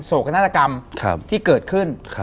โกนาฏกรรมที่เกิดขึ้น